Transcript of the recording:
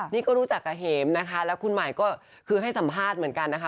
นี่ก็รู้จักกับเห็มนะคะแล้วคุณหมายก็คือให้สัมภาษณ์เหมือนกันนะคะ